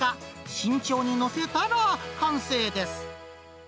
慎重に載せたら完成です。